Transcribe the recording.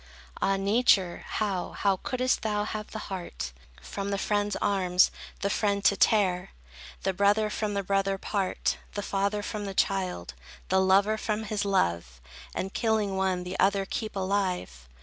Ah, Nature! how, how couldst thou have the heart, From the friend's arms the friend to tear, The brother from the brother part, The father from the child, The lover from his love, And, killing one, the other keep alive?